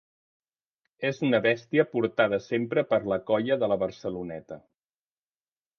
És una bèstia portada sempre per la colla de la Barceloneta.